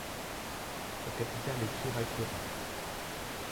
Sa capitale est Kirakira.